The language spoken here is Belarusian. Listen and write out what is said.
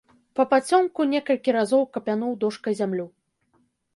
Папацёмку некалькі разоў капянуў дошкай зямлю.